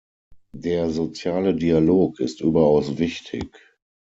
Der soziale Dialog ist überaus wichtig.